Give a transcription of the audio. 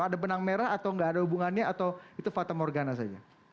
ada benang merah atau nggak ada hubungannya atau itu fata morgana saja